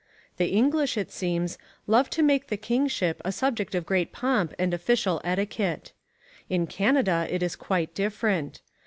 The English, it seems, love to make the kingship a subject of great pomp and official etiquette. In Canada it is quite different.